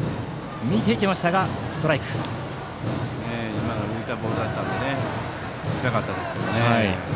今のは抜いたボールだったので打ちたかったですけどね。